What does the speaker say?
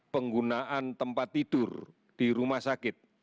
penggunaan tempat tidur di rumah sakit